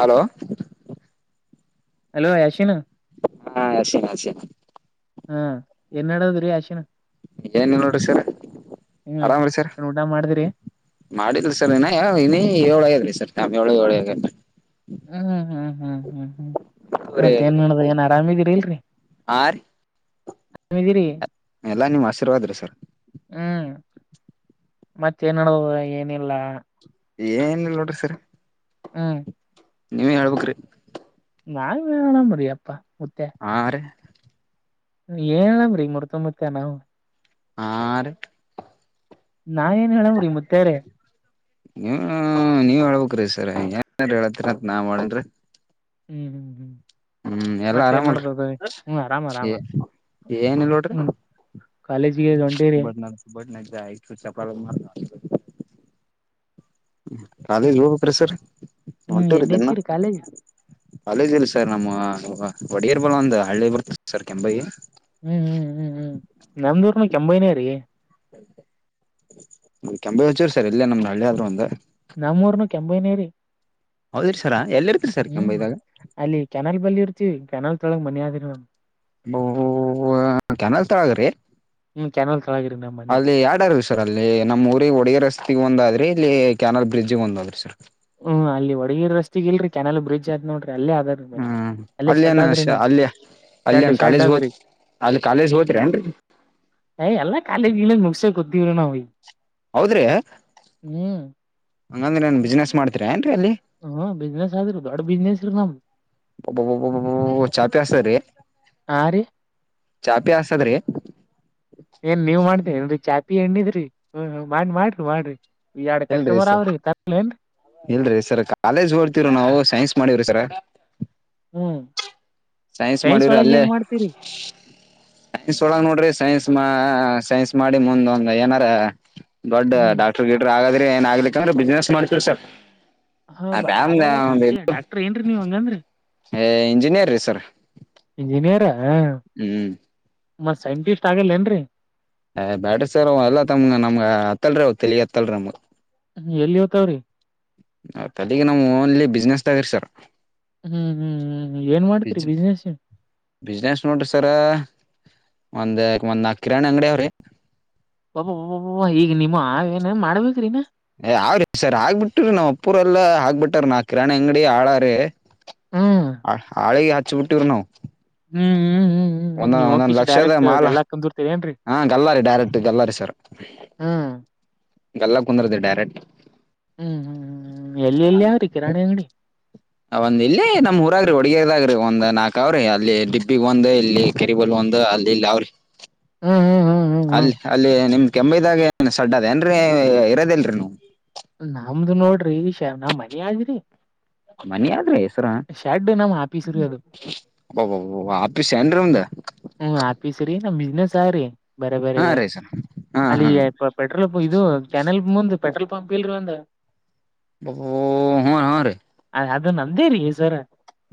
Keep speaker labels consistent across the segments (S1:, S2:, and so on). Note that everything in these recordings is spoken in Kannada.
S1: ಹಲೋ
S2: ಹಲೋ ಯಾಶ್ವಿನ
S1: ಹಾ ಅಸನ್ ಅಸನ್
S2: ಹಾ ಏನ್ ಹೇಳಡೋದ್ರೀ ಆಶಿನ
S1: ಏನ್ ನೀವ ನೋಡ್ರಿ ಸರ್
S2: ಹ್ಮ್
S1: ಆರಾಮ್ರಿ ಸರ್
S2: ಏನ್ ಊಟ ಮಾಡಿದ್ರಿ
S1: ಮಾಡಿದ್ ಸರ್ ಇನ್ನ ಏಳುಾಗ್ಯದಲಿ ಸರ್ ನ ಏಳು ಏಳ
S2: ಹ್ಮ್ ಹ್ಮ್ ಹ್ಮ ಹ್ಮ್ ಹ್ಮ್ ಹ್ಮ್ ಹ್ಮ ಮತ್ತ ಏನ್ ನದ ಏನ್ ಆರಾಮಿದೀರಿ ಇಲ್ರಿ
S1: ಹಾ ರೀ
S2: ಹಿದೀರಿ
S1: ಎಲ್ಲಾ ನಿಮ್ ಆಶೀರ್ವಾದ್ರಿ ಸರ್
S2: ಹ್ಮ್ ಮತ್ತೇನಡ ಏನಿಲ್ಲ
S1: ಏನ ಇಲ್ ನೋಡ್ರಿ ಸರಿ
S2: ಹ್ಮ್
S1: ನೀವೇ ಹೇಳ್ಬಕ್
S2: ನಾ ವಣ ಮುರಪ್ಪಾ
S1: ಹಾ ರೀ
S2: ಏನ್ನ್ ಮುರ್ತೊಂಬರ್ತ ನಾವು.
S1: ಹಾ ರೀ.
S2: ನಾ ಏನ್ ಹೇಳವ್ರೀ ಮುತ್ತೇರ.
S1: ನೀವ ನೀವ್ ಹೇಳ್ಬ್ರೀ ಸರ್ ಏನ್ರ ಹೇಳತ್ತರಿತ್ ನಾವ ಮಾಡನ್.
S2: ಹ್ಮ್ ಹ್ಮ್ ಹ್ಮ್.
S1: ಹ್ಮ್ ಎಲ್ಲಾ
S2: ಮತ್ತ ಏನ್ ನಡ್ದದ ಹ್ಮ್ ಆರಾಮ್ ಆರಾಮ
S1: ಆರಾಮಲ್ರಿ ಏನಲ್ ನೋಡ್ರಿ.
S2: ಹ್ಮ್ ಕಾಲೇಜಿಗೆ ಹೊಂಟಿರಿ
S1: ಬನಾಥ ಬಟನಾ ಜ ಚ ಚಪ ಮಾಡ. ರಲ್ ಹೇಳ್ಬೇಕ್ರಿ ಸರ್
S2: ಹ್ಮ್ ಎಲ್ಲಿ
S1: ಒಂಟೂರ್ದನ್ನ.
S2: ಹಚ್ಚಿರಿ ಕಾಲೇಜ್
S1: ಕಾಲೇಜ್ ಇಲ್ಲ ಸರ್ ನಮ್ಮ ಒಡೆಯರ್ ಬಲ್ ಒಂದು ಹಳ್ಳಿ ಬರ್ತದೆ ಸರ್ ಕೆಂಪಗಿ.
S2: ಹ್ಮ್ ಹ್ಮ್ ಹ್ಮ್ ಹ್ಮ್ ನಮಂದೂರಿನ ಕೆಂಭಾವಿನೇ ರಿ.
S1: ಕೆಂಬಾವಿ ಚೂರು ಸರ್ ಎಲ್ಲೇ ನಮ್ ಹಳ್ಳಿ ಆದ್ರರು ಒಂದು.
S2: ನಮ್ಮೂರ್ನ ಕೆಂಭಾವಿನೆ ರೀ.
S1: ಹೌದಿರ ಸರ. ಎಲ್ಲಿ ಇರ್ತಿರಿ ಸರ್
S2: ಹ್ಮ್
S1: ಕೆಂಬಾಯಿದಾಗ
S2: ಅಲ್ಲಿ ಕೆನಾಲ್ ಬಲ್ಲಿ ಇರ್ತಿೀವಿ ಕೆನಲ್ ತೊಳಗ್ ಮನ ಆದ್ರ ನಾಮ್.
S1: ಬ ಕೆನಲ್ ತಳದ್ರಿ.
S2: ಹ್ಮ್ ಕೆನಲ್ ತೊಳಗ್ರಿ ನಮ್ ಮನಿ
S1: ಅಲ್ಲಿ ಯಡಾರು ಸರ್ ಅಲ್ಲಿ ನಮ್ಮ್ ಊರಿಗೆ ಹಡುಗರಸ್. ಒಂದಾದ್ರಿ ಇಲ್ಲಿ ಕೆನಲ್ ಬ್ರಿಡ್ಜಿಗ್ ಒಂದ ಆದ್ರಿ ಸರ್.
S2: ಹ್ಮ್ ಅಲ್ಲಿ ಒಗಿ ರಸ್ತೆ ಇಲ್ರಿ ಕೆನಾಲಲ್ ಬ್ರಿಡ್ ಆದ್ ನೋಡ್ರಿ. ಅಲ್ಲೇ ಅದ್ರೀ ಮನಿ
S1: ಹ್ಮ್
S2: ಅಲ್ಲೇ
S1: ಅಲ್ಲಿ
S2: ಶೆಡ್
S1: ನ
S2: ಆದ್ರಿ ನಮ್
S1: ಅಲ್ಲಿಯ
S2: ಶೆಡ್
S1: ಅಲ್ಲಿನ್
S2: ಶೆಡ್
S1: ಕಾಲೇಜ್ ಹೋದ
S2: ಆದ್ರಿ
S1: ಅಲ್ಲಿ ಕಾಲೇಜ್ ಹೋದರಿಿ ಏನ್ರಿ.
S2: ಯ ಎಲ್ಲ ಕಾಲೇಜ್ ಗೀಲೇಜ್ ಮುಗಸ ಕೊತ್ತಿವಿರ ನಾವ್.
S1: ಹೌದ್ರೆ.
S2: ಹ್ಮ್ ಹ್ಮ ಬಿಸ್ನೆಸ್ ಆದಿರು ದೊಡ್ ಬಿಸ್ನೆಸ್ ಇರ ನಮ್ದ.
S1: ಚಾತೆ ಅತ ರೀ.
S2: ಹಾ ರೀ
S1: ಚಾಪಿ ಹಸಾದ್ರಿ.
S2: ಏನ್ ನೀವ್ ಮಾಡ್ತೇನ್ರಿ ಚಾಪಿ ಎಣ್ಣಿದ್ರಿ ಹ ಮಾಡಿ ಮಾಡ್ರಿ ಮಾಡ್ರಿ. ಎರಡ್
S1: ಇಲ್ರಿ
S2: ಕಸ್ಟಮರ್
S1: ಸರ್
S2: ಅವ್ರಿ ತರ್ಲೇನ್ರಿ
S1: ಇಲ್ರರಿ ಸರ್ ಕಾಲೇಜ್ ಹೊಡ್ತಿರ ನಾವು. ಸೈನ್ಸ್ ಮಾಡವ್ರಿ ಸರ.
S2: ಹ್ಮ್
S1: ಸೈನ್ಸ್ ಮಾಡ್ರರು
S2: ಒಳಗ್
S1: ಅಲ್ಲೇ.
S2: ಏನ್ ಮಾಡ್ತೀರಿ
S1: ಸ್ ಸೊಳಗ್ ನೋಡ್ರಿ ಸೈನ್ಸ್ ಸೈನ್ಸ್ ಮಾಡಿ ಮುಂದ್ ಒಂದ್ ಏನಾರ. ದೊಡ್ಡ
S2: ಹ್ಮ್
S1: ಡಾಕ್ಟರ್ ಗಿಡ್ರರ್ ಹಾಗಗ್ರೆ ಏನ್ ಆಗ್ಲಿಕ್ ಅಂದ್ರೆ ಬಿಸ್ನೆಸ್ ಮಾಡ್ತರಿ ಸರ್.
S2: ಹ ಬಾ ಅವ ಮಜ್ಜ ಡಾಕ್ಟರ್ ಏನ್ರೀ ನೀವ್ ಹಂಗಂದ್ರಿ.
S1: ಏ ಇಂಜಿನಿಯರ್ ರೀ ಸರ್.
S2: ಇಂಜಿನಿಯರ್
S1: ಹ್ಮ್
S2: ಮತ್ ಸೈಂಟಿಸ್ಟ್ ಆಗಲ್ಲ ಏನ್ರರಿ.
S1: ಹ್ ಬ್ಯಾಡ್ರ ಸರ್ ಅವ ಎಲ್ಲಾ ತಮ ನಮ್ಗ ಅತ್ತಲ್ರಿ ಅವ ತಲೆಗ್ ಅತ್ತಲ್ರಿ ನಮ್ಗ.
S2: ಎಲ್ಲಿ ಇವತಾವ್ರಿ.
S1: ತಲಗ ನಮ್ ಓನ್ಲಿ ಬಿಸ್ನೆಸ್ ಸರ್.
S2: ಹ್ಮ್ ಹ್ಮ್ ಹ್ಮ್ ಏನ್ ಮಾಡ್ತೀರಿ
S1: ಜ್
S2: ಬಿಸ್ನೆಸ್
S1: ಬಿಸ್ನೆಸ್ ನೋಡ್ರಿ ಸರ. ಒಂದ ಒಂದ್ ಕಿರಾಣಿ ಅಂಗಡಿ ಅವ್ರಿ.
S2: ಒಬ್ಬ ಒಬಬ ಈಗ ನಿಮ್ಮ ಆ ಏನೇನ್ ಮಾಡ್ಬೇಕ್ರೀನಾ.
S1: ಅವ್ರರಿ ಸರಿ ಆಗ್ಬಿಟ್ರೀ ನಾವ್ ಅಪ್ಪುರಲ್ಲ ಆಗ್ಬಿಟ್ರ ನಾಕ್ ಕಿರಾಣಿ ಅಂಗಡಿ ಆಳಾರೀ.
S2: ಹ್ಮ್
S1: ಹ ಹಾಳಿಗೆ ಹಚ್ಚಬಿಟ್ಟವ್ರ ನಾವು.
S2: ಹ್ಮ್ ಹ
S1: ಒಂದೊ ಒಂದೊಂದು ಲಕ್ಷದ ಮಾಲ
S2: ಕುಂದಿರ್ತರಿ ಏನ್ರರಿ
S1: ಹಾ ಗಲ್ಲಾರಿ ಡೈರೆಕ್ಟ್ ಗಲ್ಲರಿ ಸರ್.
S2: ಹ್ಮ್
S1: ಗಲ್ಲಾ ಕುಂದರ್ದ ಡೈರೆಕ್ಟ್.
S2: ಹ್ಮ್ ಹ್ಮ್ ಹ್ಮ್ ಎಲ್ಲಿ ಎಲ್ಲಿ ಯವ್ರಿ ಕಿರಾಣಿ ಅಂಗಡಿ.
S1: ಅದಾವ್ರಿ ಒಡಗದಾಗ್ರಿ ಒಂದ್ ನಾಕ್ ಅವ್ರಿ ಅಲ್ಲಿ ಡಿಬ್ಬಿಗ್ ಒಂದು ಇಲ್ಲಿ ಕೆರಿಬಲ್ ಒಂದು ಅಲ್ಲಿ ಇಲ್ಲಿ ಅವ್ರಿ.
S2: ಹ್ಮ್ ಹ್ಮ್ ಹ್ಮ್ ಹ್ಮ್ ಹ್ಮ್
S1: ಅಲ್ಲಿ ಅಲ್ಲಿ ನಿಮ್ ಕೆಂಬೇದಾಗ ಸಡ್ ಅದ ಏನ್ರರಿ ಇರೋದಿಲ್ರರಿ ನೀವ
S2: ನಮ್ದು ನೋಡ್ರಿ ಶಾನ್ ನಮ್ ಮನೆ ಆದ್ರಿ.
S1: ಮನೆ ಆದ್ರೆ ಸರ
S2: ಶೆಡ್ ನಮ್ ಆಫೀಸ್ ರೀ ಅದು
S1: ಅಬ್ಬಬ್ಬಬ್ಬ ಶಾಂಡ್ರುಂಡ
S2: ಹ್ಮ್ ಆಫೀಸ್ ರೀ ನಮ್ ಬಿಸ್ನೆಸ್ ಆವ ರಿ. ಬರ ಬರ
S1: ಹಾ
S2: ಬರ
S1: ರೀ ಸರ್ ಹಾ
S2: ಅಲ್ಲಿ
S1: ಹಾ
S2: ಪೆಟ್ರೋಲ್ ಇದು ಕ್ಯಾನಲ್ ಮುಂದ ಪೆಟ್ರೋಲ್ ಪಂಪ್ ಇಲ್ಲರಿ ಒಂದ
S1: ಓಹೋ ಹೂ ಹಾ ರೀ.
S2: ಅದು ನಮ್ದೇ ರೀ ಸರ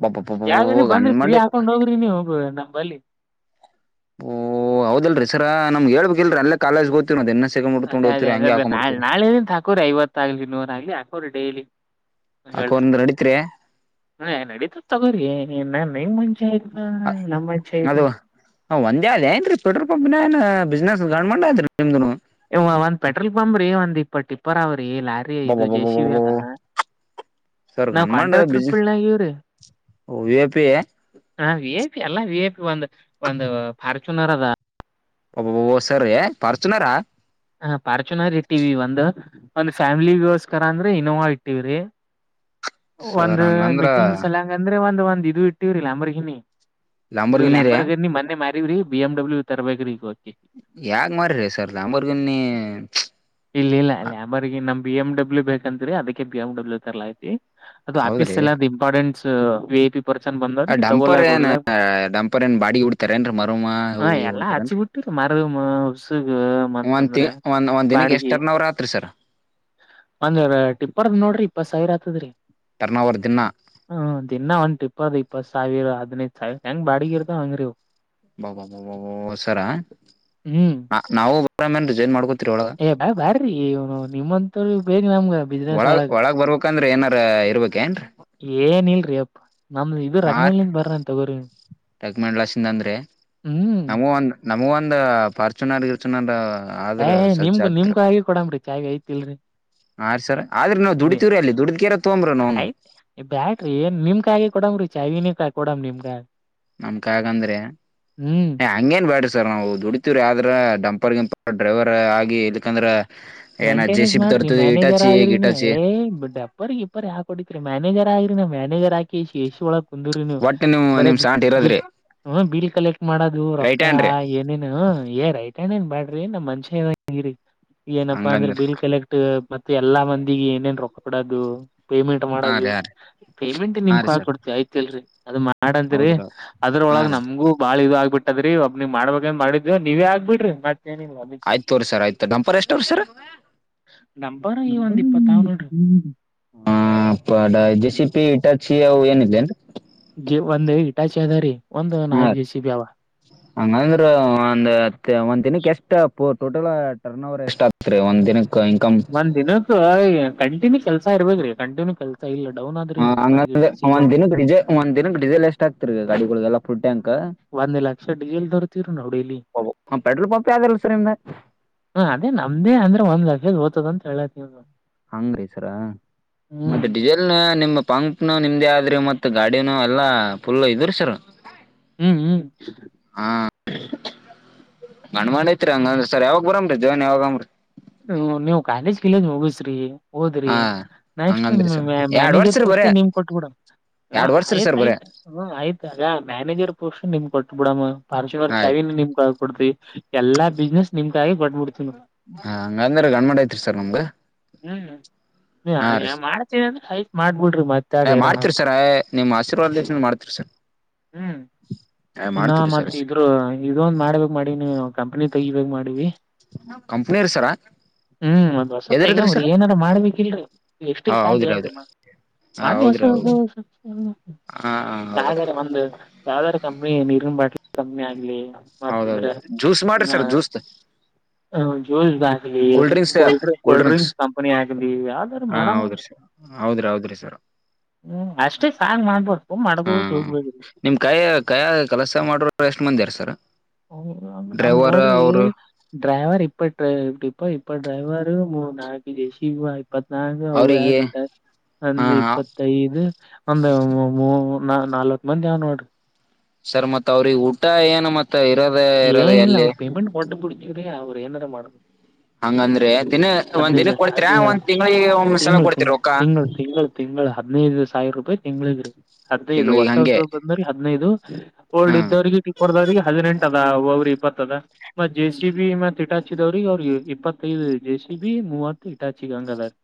S1: ಅಬ್ಬಬ್ಬಬ್ಬಬ್ಬ
S2: ಯಾಗರ ಬಂದ್ರ
S1: ಗಂಡ್
S2: ಫ್ರೀ
S1: ಮಂಡಿ
S2: ಹಾಕೊಂಡ್ ಹೋಗ್ರಿ ನೀ ಹೋಗ
S1: ಓ ಹೌದಲ್ರಿ ಸರಾ ನಮ್ಗೆ ಹೇಳ್ಬೇಕಲ್ರಿ ಅಲ್ಲೇ ಕಾಲೇಜ್ ಹೋಗ್ತಾ
S2: ಅದೇ ಅದೇ ಅದೇ ಬೇಕಾ ನಾಳ ನಾಳೆಂತ ಹಾಕೋರ ಐವತ್ತಾಗ್ಲಿ ನೂರ ಆಗ್ಲಿ ಹಾಕೋರಿ ಡೈಲಿ.
S1: ಹಾಕೊಂಡ್ರ ನಡಿತ್ರ್ಯ?
S2: ಹ ನಡೀತದ ತಗೋರಿ ಇನ್ನ ನಿಮ್ ಮೇನ್ ಮನುಷ್ಯ ಇದ್ದ ಇ ನಮ್ ಮನುಷ್ಯ ಇ್ರರಿ.
S1: ಹ ಒಂದೇ ಆದ ಏನ್ರಿ ಪೆಟ್ರೋಲ್ ಪಂಪ್ನನನ್ನಾ ಬಿಸ್ನೆಸ್ ಗ್ಮಂಡ ಅದ್ರಿ ನಿಮ್ದನು.
S2: ಏ ಒಂದ್ ಪೆಟ್ರೋಲ್ ಪಂಪ್ ರೀ ಒಂದ್ ಇಪ್ಪತ್ತ ಟಿಪ್ಪರ್ ಅವರಿ. ಏ ಲಾರಿ ಇದು ಜೆಸಿಬಿ
S1: ಅಬ್ಬಬ್ಬಬ್ಬಬ್ಬಬ್ಬ
S2: ಆದ.
S1: ಸರ್
S2: ನಾವು
S1: ಗಂಡ್ಮಂಡ
S2: ಕಾಂಟ್ರಾಕ್ಟರ್
S1: ಬಿಸ್ನೆಸ್
S2: ಫೀಲ್ಡ್ನ್ಯಾಗ ಇವ್ರಿ.
S1: ವಿ ಐ ಪಿ
S2: ಹಾ ವಿಐಪಿ ಎಲ್ಲಾ ವಿಐಪಿ ಒಂದು ಒಂದು ಫಾರ್ಚುನರ ಅದಾ.
S1: ಅಬಾಬಾಬಾ ಸರ ಏ ಪರ್ಚುನಾರಾ?
S2: ಹ ಫಾರ್ಚುನರ್ ಇಟ್ಟಿವಿ ಒಂದು ಒಂದ್ ಫ್ಯಾಮಿಲಿಗೋಸ್ಕರ ಅಂದ್ರ ಇನ್ನೋವಾ ಇಟ್ಟಿವ್ರಿ.
S1: ಸರ್
S2: ಒಂದು
S1: ಹಂಗಂದ್ರ
S2: ಮೀಟಿಂಗ್ ಸಲಂಗ ಅಂದ್ರ ಒಂದ ಒಂದ್ ಇದು ಇಟ್ಟೀವ್ರಿ ಲಂಬೋರ್ಗಿನಿ ಇದು
S1: ಲಾಂಬರ್ಗಿನಿ ರೀ
S2: ಲಂಬೋರ್ಗಿನಿ ಮೊನ್ನೆ ಮಾ ಮಾರಿವ್ರಿ ಈಗ ಬಿಮ್ಡಬ್ಲ್ಯೂ ತರಬೇಕ್ರಿ ಈಗಹೊಳ್ಳಿ.
S1: ಯಾಗ ಮಾರಿರ್ರೀ ಸರ್ ಲ್ಯಾಮ್ಬೋರಗಿನ್ನಿ.
S2: ಇಲ್ಲ ಇಲ್ಲ ಲ್ಯಾಮರ್ಗೆ ನಮ್ ಬಿ ಎಂ ಡಬ್ಲ್ಯೂ ಬೇಕಂತ್ರಿ ಅದಕ್ಕೆ ಬಿ ಎಂ ಡಬ್ಲ್ಯ ತರ್ಲಾತಿವಿ ಅದು ಆಫೀಸ್
S1: ಹೌದ್ರಿ
S2: ಸಲ್ವಾಗಿ ಇಂಪಾರ್ಟೆನ್ಸ್ ವಿಐಪಿ ನ್ಯೂ ವರ್ಷನ್
S1: ಆ
S2: ಬಂದಾವ್ರಿ ತೋಗೋಳ್ಯ
S1: ಡಂಪರ್ ಏನ್
S2: ಹೋಗ್ಲ
S1: ಡಂಪರ್ ಏನ್ ಬಾಡಿಗೆ ಹೊಡಿತಾರೇನ್ರಿ ಮರಮ
S2: ಹ
S1: ಅವು ಇವು
S2: ಎಲ್ಲಾ ಹಚ್ಚಿ
S1: ಹೊಡಿತಾರೇನ್ರಿ
S2: ಬಿಟ್ಟಿರಿ. ಮಾರಿದಮ್ಮ ಉಸುಗ ಮತ್
S1: ಒಂದ್ ತಿ
S2: ಅಂದ್ರೆ
S1: ಒಂದ್ ಒಂದ್ ದಿನಕ್ಕೆ ಎಷ್ಟ್
S2: ಬಾಡಿಗೆ
S1: ಟರ್ನ್ ಅವರ್ ಆತ್ರಿ ಸರ್
S2: ಒಂದ ಟಪ್ಪರ್ದ ನೋಡ್ರಿ ಇಪ್ಪತ್ ಸಾವಿರ ಆತದ್ರಿ.
S1: ಟರ್ನ್ ಅವರ್ ದಿನ
S2: ಹ್ಮ ದಿನ್ನಾ ಒಂದ ಟಿಪ್ಪರ್ದ ಇಪ್ಪತ್ತ ಸಾವಿರ ಹೆಡ್ನೈಡು ಸಾವಿರ ಹೆಂಗ ಬಾಡಿಗೆ ಇರ್ತವ ಹಂಗ್ರೀ ಇವ.
S1: ಅಬ್ಬಬ್ಬಬ್ಬ ಸರ
S2: ಹ್ಮ್
S1: ನಾವು ಬೇ ರಿಜೈನ್ ಮಾಡಕೊತಿವೀ.
S2: ಏ ಬ್ಯಾಡ್ ಬ್ಯಾಡರಿ ಇನು ನಿಮ್ಮಂತಾವ್ರ ಬೇಕ ನಮ್ಗ ಬಿಸ್ನೆಸ್
S1: ಒಳಗ್
S2: ಒಳಗ.
S1: ಒಳಗ್ ಬರ್ಬೇಕಂದ್ರ ಏನಾರ ಇರ್ಬೇಕೇನ್ರಿ
S2: ಏನ ಇಲ್ರಿ ಅಪ್ಪ ನಮ್ದ ಇ ರಂಗಮೂಲಿಂದ ಬರ್ರನ್ ತಗೋರಿ
S1: ಟಕ್ಮಂಡಲಸಿಂಧ್ ಅಂದ್ರಿ
S2: ಹ್ಮ್
S1: ನಮ್ಗೂ ಒಂದ್ ನಮಗ ಒಂದ ಫಾರ್ಚುನರ್ ಗಿರ್ಚುನರ್
S2: ಏ
S1: ಆದ್ರ
S2: ಏ
S1: ಸಜ್ಜ
S2: ನಿಮ್ಗೂ ನಿಮ್ಗ ಕೈಯಾಗೆ ಕೊಡಂಗ್ರಿ ಚಾವಿ ಇತಲ್ರಿ.
S1: ಆ ರಿ ಸರ್ ಆದ್ರ ನಾವು ದುಡತಿವ್ರೀ ಅಲ್ಲಿ ದುಡಿದಕ್ಯಾರ ತೊಂಬ್ರವನು.
S2: ಏ ಬ್ಯಾಡ್ರಿ ನಿಮ್ಮ ಕೈಯಾಗೆ ಕೊಡುಮ್ನ್ರಿ ಚಾವಿನೆ ಕೊಡಮ ನಿಮ್ ಕೈಯಾಗ.
S1: ನಮ್ಮ ಕೈಯಾಗ ಅಂದ್ರಿ
S2: ಹ್ಮ್
S1: ಹಂಗೇನ್ ಬ್ಯಾಡರಿ ಸರ್ ನಾವು ದುಡಿತಿವ್ರಿ ಆದ್ರ ಡಂಪರ್ ಗಿಂಪರ್ ಡ್ರೈವರ್ ಆಗಿ ಎದಕಂದ್ರ
S2: ಮೇಂಟೆನೆನ್ಸ್ ಮಾಡ್ರಿ ಮ್ಯಾನೇಜರ್ ಆಗ್ರಿ ನೀ
S1: ಗಿಟಾಚಿ
S2: ಏ ಡಂಪರ್ ಗಿಂಪರ್ ಯಾಕ ಹೊಡೀತೀರಿ ಮ್ಯಾನೇಜರ್ ಆಗ್ರಿ. ಮ್ಯಾನೇಜರ್ ಆಗಿಕೆಶಿ ಎಸಿ ಒಳಗ ಕುಂದರ್ರಿ ನೀವ
S1: ಒಟ್ಟ ನಿಮ್
S2: ಬರೇ
S1: ನಿಮ್ ಸಾಂಟ್ ಇರದ್ರಿ
S2: ಹ್ಮ ಬೀಲ್ ಕಲೆಕ್ಟ್ ಮಾಡೋದು ರೊಕ್ಕ
S1: ರೈಟ್ ಹ್ಯಾಂಡ್ ರೀ
S2: ಏನೇನು ಏರ್ ಆಯ್ತು [unintelligible] ಬ್ಯಾಡ್ರಿ ನಮ್ಮ್ ಮಾನ್ಶ್ಯ ಹೇಳಿದಂಗ ಇರ್ರಿ. ಬಂದ್ರ
S1: ಹಂಗಂದ್ರ
S2: ಬಿಲ್ ಕಲೆಕ್ಟ್ ಮತ್ತೆ ಎಲ್ಲಾ ಮಂದಿಗೆ ಏನೇನ್ ರೊಕ್ಕ ಬಿಡೋದು ಪೇಮೆಂಟ್
S1: ಹಾ
S2: ಮಾಡೋದು.
S1: ರೀ ಹಾ ರೀ
S2: ಪೇಮೆಂಟ್
S1: ಹಾ
S2: ನಿಮ್ಕ್
S1: ರೀ
S2: ಕೈಯಾಗ
S1: ಸರ್
S2: ಕೊಡ್ತಿವಿ ಆಯತಿ ಇಲ್ರರಿ ಅದು ಮಾಡಂತಿರಿ
S1: ಹೌದ್ರಿ ಹಾ
S2: ಅದ್ರೊಳಗ್
S1: ರೀ
S2: ನಮಗೂ ಬಾಳ ಇದು ಆಗ್ಬಿಟ್ಟಿ ಅದ್ರೀ ಒಬ್ಬನಿಗ ಮಾಡಬೇಂಕಂತ ಮಾಡಿದ್ವ ನೀವೇ ಆಗ್ಬಡ್ರಿ
S1: ಆಯ್ತ ತೋರಿ ಸರ್ ಆಯ್ತ ಬಪ್ಪರ್ ಎಷ್ಟು ವರ್ಷರೀ ಸರ್
S2: ನಂಬರ್
S1: [unintelligible]
S2: ಈ ಒಂದ್ ಇಪ್ಪತ್ತಾವ್ ನೋಡ್ರಿ
S1: ಚಿ ಪಿ ಇಟಚಿ ಅವು ಏನಿದೆೇನ್ರಿ
S2: ಒಂದ ಇಟಾಚೆ ಅದಾರಿ ಒಂದು
S1: ಹಾ
S2: ನಾಕ್
S1: ರೀ
S2: ಜೆ ಸಿ ಬಿ ಅವ
S1: ಹಂಗಂದ್ರ ಒಂದ್ ಹ ಒಂದ ದಿನಕ್ಕೆ ಎಷ್ಟ ಟೋಟಲ್ ಟರ್ನ್ ಓವರ್ ಎಷ್ಟ್ ಆತ್ರಿ ಒಂದ್ ದಿನಕ್
S2: ಒಂದ್ ದಿನಕ್ಕ ಕಂಟಿನ್ಯೂ ಕೆಲ್ಸಾ ಇರ್ಬೇರಿ ಕಂಟಿನ್ಯೂ ಕೆಲ್ಸ ಇಲ್ಲ ಡೌನ್ ಆದ್ರಿ
S1: ಹ
S2: ಈಗ ಮಾರ್ಕೆಟ್
S1: ಹಂಗಂದ್ರೆಂದ
S2: ಸೀಸನ್
S1: ದಿನಕ್ ಡಿಜೆ ಒಂದ್ ದಿನಕ್ ಡಿಸೆಲ್ ಎಷ್ಟ ಆಗ್ತರ್ ಗಾಡಿಗಳೆಲ್ಲ
S2: ಒಂದು ಲಕ್ಷ ಡಿಸೇಲ್ ತರುತೀವಿ ನಾವು ಡೈಲಿ
S1: ಹೌದು. ಪೆಟ್ರೋಲ್ ಪಂಪ್ ಯಾವ್ದಿಲ್ಲ ಸರ್ ನಿಮ್ದ
S2: ಹ್ಮ ಅದೇ ನಮ್ದೇ ಅಂದ್ರೆ ಒಂದ್ ಲಕ್ಷದ ಹೋತದ ಅಂತ ಹೇಲತೀನಿ
S1: ಹಂಗ್ರಿ ಸರ್ ಮತ್ತೆ ಡಿಸೈಲ್ ನ ನಿಮ್ಮ ಬಂಕ್ ನ ನಿಮ್ದೇ ಆದ್ರಿ ಮತ್ತ ಗಾಡಿನ ಎಲ್ಲಾ ಫುಲ್ ಇದ್ರಿ ಸರ್
S2: ಹ್ಮ್ ಹ್ಮ್
S1: ಗಣ್ಮಾಐತ್ರಿ ಹಂಗಂದ ಸರ್ ಯಾವಾಗ ಬರಂಬ್ರಿ ಜೀವನ್ ಯಾವಾಗಂಬ್ರಿ
S2: ಹ್ಮ ನೀವು ಕಾಲೇಜ್ ಕಲೇಜ್ ಮುಗಿಸ್ರಿ ಓದ್ರಿ
S1: ಹಾ
S2: ನೆಕ್ಸ್ಟ್
S1: ಹಂಗಂದ್ರಿ ಸರ್ ಎರಡ್ ವರ್ಷ
S2: ಮ್ಯಾನೇಜರ್
S1: ರೀ ಬರೇ
S2: ಪೋಸ್ಟ್ಗೆ ನಿಮ್ ಕೊಟ್ಟಿಬಿಡೋಣ ಹ
S1: ಎರಡ್ ವರ್ಷ ರೀ
S2: ಆಯ್ತ್
S1: ಸರ್ ಬರೇ
S2: ಆಯ್ತ ಆಯ್ತಗ ಮ್ಯಾನೇಜರ್ ಪೋಸ್ಟ್ ನಿಮ್ ಕೊಟ್ಟ ಬಿಡ ಪಾರ್ಶ್ವ
S1: ಆಯ್ತ್
S2: ಚಾವಿನ ನಿಮ್ ಕ ಕೊಡ್ತಿ ಎಲ್ಲಾ ಬಿಸ್ನೆಸ್ ನಿಮ್ಗಿ ಕೊಟ್ಟುಬಿಡ್ತೀವಿ
S1: ಹ ಹಂಗಂದ್ರ ಗಂಡ್ಮಾ ಐತ್ರಿ ಸರ್ ನಮ್ಗ
S2: ಹ್ಮ್ನ್ ಮಾಡ್ತೀನಿ ಅಂದ್ರ ಆಯ್ತ್ ಮಾಡ
S1: ಅ ಮಾಡ್ತಿರಿ ಸರ್ ನಿಮ್ಮ್ ಆಶೀರ್ವಾದ ಮಾಡ್ತಿರಿ ಸರ್
S2: ಹ್ಮ್
S1: ಏ
S2: ಇನ್ನ
S1: ಮಾಡ್ತೀವ್ರಿ ಸರ್
S2: ಮತ್ತತ್ ಇದ್ರು ಇದೊಂದ್ ಮಾಡ್ಬೇಕಕ್ ಮಾಡೀ ನೀ ಕಂಪನಿ ತೆಗಿಬೇಕೇಕ್ ಮಾಡೀವಿ
S1: ಕಂಪ್ನಿರ್ ಸರ
S2: ಹ್ಮ್ ಒಂದ್ಸತ್ತ
S1: ಎದ್ರದ್ರಿ
S2: ತೈಗಾವ್ರಿ
S1: ಸರ್
S2: ಏನಾರ ಮಾಡ್ಬೇಕಿಲ್ರರಿ ಎಷ್ಟಿ
S1: ಹಾ
S2: ಸಾಕ
S1: ಹೌದ್ರಿ
S2: ಹೇಳಿರಿ
S1: ಹೌದ್ರಿ ಹಾ
S2: ಮಾಡುವ ಹೊಸ
S1: ಹೌದ್ರಿ ಹೌದ್ರಿ ಹಾ ಹೌದ
S2: ಯಾವ ಒಂದು ಯಾವ್ದಾರ ಕಂಪನಿ ನೀರಿನ ಬಾಟ್ಲು ಕಂಪನಿ ಆಗ್ಲಿ
S1: ಹೌದೌದು
S2: ಮತ್ತಂದ್ರ
S1: ಜ್ಯೂಸ್ ಮಾಡ್ರಿ ಸರ್ ಜ್ಯೂಸ್
S2: ಜೂಸ್ದ
S1: cool drinks sir
S2: cold
S1: cool drinks
S2: cold drinks company ಆಗ್ಲಿ ಯಾವ್ದಾರ
S1: ಹಾ
S2: ಮಾಡನಾ
S1: ಹೌದ್ರಿ ಸರ್ ಹೌದ್ರಿ ಹೌದ್ರಿ ಸರ್
S2: ಹ್ಮ್ ಅಷ್ಟೇ ಸಾಯ್ ಮಾಡ್ಬು
S1: ಹಾ
S2: ಮಾಡಬೋದು ಹೋಗಬಹುದು
S1: ನಿಮ್ ಕೈ ಕಯ ಕೆಲಸ ಮಾಡರ್ ಎಷ್ಟ್ ಮಂದಿ ಆರಾ ಸರ್
S2: ಹ ನಮ್ಮ
S1: ಡ್ರೈವರ್
S2: ನೋಡ್ರಿ
S1: ಅವರು
S2: ಡ್ರೈವರ್ ಇಪ್ಪ ಇಪ್ಪ ಡ್ರೈವರ್ ನಾನು ಇದ್ದೆ ಸಿಈಓ ಹಾಗಿ ಇಪ್ಪತ್ನಾಲ್ಕು ಅವು
S1: ಅವರಿಗೆ
S2: ಎರಡು ಇಟ್ಟಚಿ ಆಡಿಗಟ್ಟ
S1: ಹಾ
S2: ಒಂದ
S1: ಹಾ
S2: ಇಪ್ಪತ್ತೈದು ಒಂದು ನಾ ನಾಲ್ವತ್ ಮಂದಿ ಅವ ನೋಡ್ರಿ
S1: ಸರ್ ಮತ್ತ್ ಅವ್ರಿಗೆ ಊಟ ಏನು ಮತ್ ಇರೋದೇ ಇರೋದ ಎಲ್ಲಿ
S2: ಅವ್ರು ಏನಾರ ಮಾಡದು
S1: ಹಂಗಂದ್ರೆ ದಿನ ಒಂದ್
S2: ಹದ್ನೈದು
S1: ದಿನಕ್ ಕೊಡ್ತೀರಾ
S2: ಹದಿನೈದು ಹ
S1: ಒಂದ್ ತಿಂಗಳಿಗೆ ಒಮ್ಮ್ ಸಲ
S2: ತಿಂಗಳು ತಿಂ
S1: ಕೊಡ್ತೀರ ರೊಕ್ಕ
S2: ತಿಂಗಳು ತಿಂಗಳು ತಿಂಗಳು ಹದಿನೈದು ಸಾವಿರ ರೂಪಾಯಿ ತಿಂಗ್ಳಿಗೆಗ್ರೀ ಹದಿನೈದು
S1: ತಿಂಗಳಿಗೆ
S2: ಹೊಸ
S1: ಹಂಗೆ
S2: ಹೊಸರು ಬಂದ್ರೀ ಹದಿನೈದು ಓಲ್ಡ್
S1: ಹ್ಮ್
S2: ಇದ್ದವ್ರರಿಗೆ ಟಿಪ್ಪರ್ದವಿಗೆ ಹದಿನೆಂಟು ದ ಅವ್ರಿ ಇಪ್ಪತ್ತದ ಮತ್ತ ಜೆ ಸಿ ಬಿ ಮತ್ತ ತಿಟಾಚಿದವ್ರಿಗೆ ಅವ್ರಿಗೆ ಇಪ್ಪತ್ತೈದು ಜೆ ಸಿ ಬಿ ಮೂವತ್ತು ಇಟಚಿ ಹಂಗಾದಾರೀ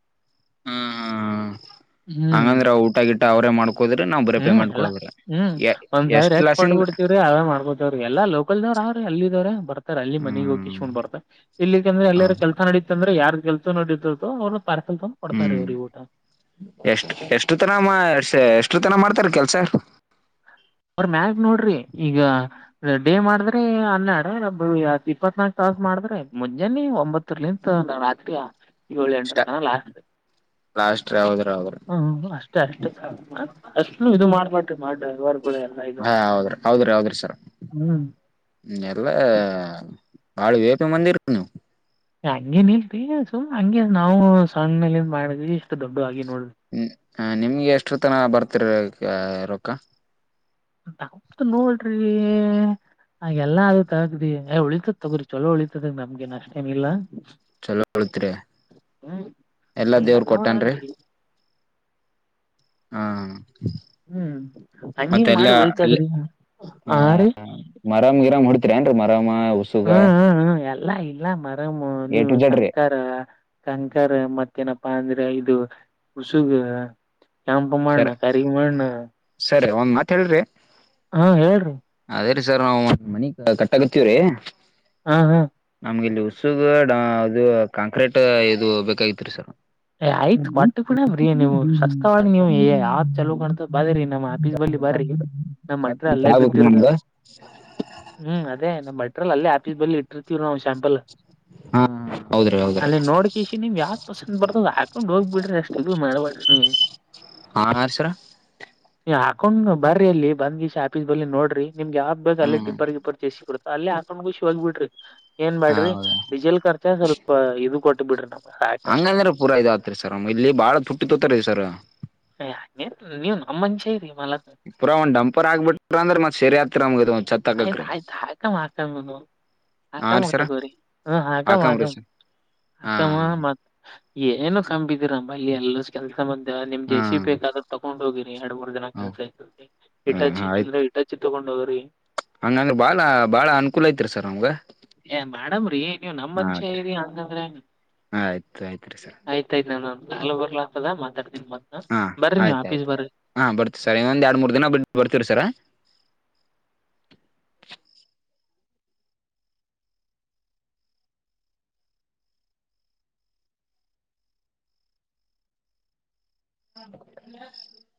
S1: ಹ್ಮ್ ಹ್ಮ್
S2: ಹ್ಮ್
S1: ಹಂಗಂದ್ರೆ ಊಟಗಿಟ್ಟ ಅವ್ರೇ ಮಾಡ್ಕೊ
S2: ಹ್ಮ್ ಎಲ್ಲಾ ಹ್ಮ್ ಒಂದ್ ಸಾವಿರ
S1: ಎಷ್ಟ್
S2: ಹೆಚ್ಚು
S1: ಲಾಸಿಂದ
S2: ಕೊಟ್ಟುಬಿಡ್ತೀವಿ ಅವೇ ಮಾಡ್ಕೊತವ್ರೀ ಎಲ್ಲಾ ಲೋಕಲ್ನವ್ರ ಅಲ್ಲಿ ಇದಾವ್ರ ಬರ್ತಾರೆ ಅಲ್ಲಿ ಮನೆ
S1: ಹ್ಮ್
S2: ಮುಗಿಸ್ಕೊಂಡು ಬರ್ತಾರೆ ಇಲ್ಲಿಂದ್ರ
S1: ಹ
S2: ಎಲ್ಲಿರ ಕೆಲಸ ನಡೀತ ಅಂದ್ರೆ ಯಾರ್ ಕೆಲಸ ನೆಡಿತಾತದ್ದೋ ಅವ್ರನ್ನ
S1: ಹ್ಮ್ ಎಷ್ಟ ಎಷ್ಟು ತನ ಎಷ್ಟು ತಾನಾ ಮಾಡ್ತಾರೆ ಕೆಲ್ಸ
S2: ಅವ್ರ ಮ್ಯಾಗ ನೋಡ್ರಿ ಈಗ ಡೇ ಮಾಡಿದ್ರೆ ಹನ್ನೆರಡು ಇಪ್ಪತ್ನಾಲ್ಕು ತಾಸು ಮಾಡಿದ್ರೆ ಮುಂಜಾನೆ ಒಂಬತ್ತುರ್ಲಿಂತ ರಾತ್ರಿ ಏಳು ಎಂಟ್ರತಾನಾ ಲಾಸ್ಟ
S1: ಲಾಸ್ಟ ಹೌದ್ರಿ
S2: ಹ್ಮ್ ಅಷ್ಟೇ ಅಷ್ಟೇ ಅಷ್ಟ ಇದು ಮಾಡ್ಬ್ರಿ ಮಾಡ ಎಲ್ಲಾ ಇದು
S1: ಹಾ ಹೌದ್ರಿ ಹೌದ್ರಿ ಹೌದ್ರಿ ಸರ್
S2: ಹ್ಮ್
S1: ಹ್ಮ ಎಲ್ಲಾ. ಬಾಳ ವೇಪಿ ಮಂದಿರ ನೀವ್.
S2: ಹಂಗೇ ನಿಲ್ರಿ ಸುಮ ಹಂಗೆ ನಾವು ಸಣ್ಣ ಮೇಲೆನ್ ಮಾಡಿದವಿ ಇಷ್ಟು ದೊಡ್ಡ ಆಗಿದ್ದ.
S1: ನಿಮ್ಗೆ ಎಷ್ಟು ತನ ಬರ್ತಿರ ರೊಕ್ಕ.
S2: ನಾವ್ದ ನೋಡ್ರಿ. ಹಾಗ ಎಲ್ಲಾ ಅದುೂ ತಗದಿ ಉಳಿತದತ್ ತಗೋರಿ ಚಲೋ ಉಳಿತದಂಗ ನಮ್ಗೆ ಏನ್ ಎಷ್ಟೇನ ಇಲ್ಲಾ.
S1: ಚಲೋ ಅಳತ್ರಿ
S2: ಹ್ಮ್
S1: ಎಲ್ಲಾ
S2: ನಮ್
S1: ದೇವ್ರ
S2: ಸಣ್ಣವ್ರ
S1: ಕೊಟ್ಟನ್ರಿ.
S2: ಆದ್ರಿ
S1: ಹಾ.
S2: ಹ್ಮ್ ಹಂಗಿಂಗ ಮಾಡಿ ಉಳಿತದ್ರಿ ಆ ರೀ.
S1: ಮರಾಮ್ರ್ ಹಡ್ತರಿ ಏನ್ರಿ ಮರಾಮ
S2: ಹ್ಮ್ ಹ್ಮ ಹ್ಮ ಎಲ್ಲಾ ಇಲ್ಲ ಮರಮ
S1: ಎ
S2: ನೀವ್
S1: ಟು ಜೆಡ್ ರೀ
S2: ಕಂಕರ. ಕಂಕರ್ ಮತ್ತೇನಪ್ಪಾ ಅಂದ್ರೆ ಇದು ಉಸುಗ. ಕೆಂಪ
S1: ಸರ್
S2: ಮಾಡಣಣ ಕರಿಗ ಮಾಡಣ.
S1: ಸರಿ ಒಂದ್ ಮಾತ್ ಹೇಳ್ರಿ.
S2: ಹಾ ಹೇಳ್ರಿ.
S1: ಅದೇ ರೀ ಸರ್ ನಾವು ಮನಿ ಕಟ್ಟಾಗತ್ತೀವ್ರೀ.
S2: ಹ್ ಹಾ.
S1: ನಮ್ಗೆ ಇಲ್ಲಿ ಉಸುಗ ಡ ಅದು ಕಾಂಕ್ರೀಟ್ ಇದು ಬೇಕಾಗಿತ್ರಿ ಸರ್.
S2: ಏ ಆಯ್ತ್ ಕೊಟ್ಟ ಕೂಣ್ರೀ ನೀವು್ ಶಸ್ತವಿ ನೀವ್
S1: ಆರ್ಸ-
S2: ಯಾವ್ ಚಲೋ ಕಣ ಬದ್ರಿ. ನಮ್ಮ್ ಆಫೀಸ್ ಬಲ್ಲಿ ಬರ್ರಿ
S1: ಛತ್
S2: ನಮ್ಮ್ ಮಟ್ರ
S1: ಛತ್
S2: ಅಲ್ಲೇ
S1: ಆಗ್ಬೇಕು
S2: ಬಿದ್ದಿರುದದ.
S1: ನಮ್ಗ.
S2: ಹ್ಮ್ ಅದೇ ನಮ್ಮ್ ಬಟ್ರಲ್ಲ ಅಲ್ಲಿೇ ಆ ಬ ಇಟ್ಟಿರ್ತೀವ ನಾವು ಶ್ಯಾಂಪಲ್
S1: ಹಾ ಹೌದ್ರಿ ಹೌದ್ರಿ
S2: ಅಲ್ಲಿ ನೋಡಕ ನೀವ್ ಯಾ ಬರ್ತ ಹಾಕೊಂಡ್ ಹೋಗ್ ಬಿಡ್ರಿ ಅಷ್ಟ ಇಲ್ ಮಾಡಬಸ್ನಿ.
S1: [unintelligible]
S2: ನೀ ಹಾಕೊಂಡ್ ಬರರಿ ಅಲ್ಲಿ ಬಂದ್ ಈಶ ಶ ಆಫೀಸ್ ಬಲ್ಲಿ ನೋ್ರಿ ನಿಮ್ಗೆ ಯಾವ್ದ ಬಕ್ ಅಲ್ಲಿ
S1: ಹ್ಮ
S2: ಟಿಬ್ರ್ ಇಬ್ರ್ ಜೇಸ ಅಲ್ಲೇ ಹಾಕೊಂಡ್ ಖುಷಿ ಹೋಗ್ ಬಿಡ್ರಿ ಏನ್ ಮಾಡ್ಯಾಡ್ರಿ
S1: ಹೌದ
S2: ಡೀಜೆಲ್ಖರ್ಚ ಸ್ವಲ್ಪ ಇದು ಕೊಟ್ಟ ಬಿಡ್ರಿ ನ್. ಸಾಕಷ್
S1: ಇ ಪೂರಾ ಆತ್ರಿ ಸರ್ ಇಲ್ಲಿ ಬಾಳ ತುಟ್ಟಿ ತೋತಾರೀ ಸರ್.
S2: ಯೇ ಹಂಗೇನ್ ಇಲ್ರಿ ನೀವ್ ನಮ್ಮ್ ಮನಸ್ಯಾರಿ.
S1: ಪುರ ಒಂದ್ ಡಂಪರ್ ಆಗ್ಬ ಬಿಿರ ಅಂದ್ರೆ ಮತ್ ಸರಿಯತ್ರತ್ಮಗ.
S2: ಆಯ್ತ ಆಯ್ತ ಹಾಕ ಹಕಮಾ.
S1: ಹಾ ರೀ
S2: ಹಕಾಮತ
S1: ಸರ
S2: ಕೋರಿ ಹ ಆಗಾಮ
S1: ಹಾಕಂಬ್ರಿ ಸರ್ ಹಾ
S2: ಆಗಮ ಮತ್. ಏನು ಕಂಬಿದಿರಮ್ಮ ಇಲ್ಲಿ ಎಲ್ಲ ಕೆಲ್ ಂ ನಿಮ್
S1: ಹಾ
S2: ಜಸಿ ಬೇಕಾದ್ರೆ ತಗೊಂಡ್ ಹೋಗಿರಿ ಎರಡ್ ಮೂರ್ ಜನ
S1: ಹಾ
S2: ಕೆಲ್ಸ ಐತ
S1: ಹ
S2: ಇಚ್ಚಿ
S1: ಆಯ್ತ್
S2: ಇಚ್ಚಿ ತೊಗೊಂಡ ಹೋಗ
S1: ಹಂಗಂದ್ರ ಬಾಳ ಬಾಳ ಅನುಕೂಲ ಐತಿರಿ ಸರ್ ನಮ್ಗ.
S2: ಮೇಡಮ್ ರೀ ನೀವು ನಮ್
S1: ಹಾ
S2: ಮನ್ಷ್ಯ
S1: ಆಯ್ತ್ರಿ
S2: ರಿ ಅಂತಂದ್ರೆ
S1: ಆಯ್ತ್ ಆಯ್ತ್ರಿ ಸರ್
S2: ಆಯ್ತಾಯ್ತ ನಾನ ನ ಬರ್ಲ ಆತದ ಮಾತಾಡ್
S1: ಹಾ ಆಯ್ತ ಆಯ್ತು ಹಾ ಬರ್ತೀರಿ ಸರ್ ಇನ್ನೊಂದ್ ಎರಡ್ ಮೂರ್ ದಿನ ಬಿಟ್ಟು ಬರ್ತೀರಿ ಸರ. [inaudible]